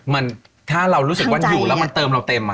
มันถ้าเรารู้สึกว่าอยู่แล้วมันเติมเราเต็ม